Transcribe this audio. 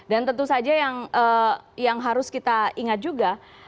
dan tentu saja yang harus kita ingat juga